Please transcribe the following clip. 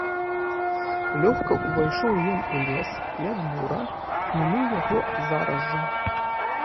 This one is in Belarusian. Лёгка ўвайшоў ён у лес, як бура, мінуў яго зараз жа.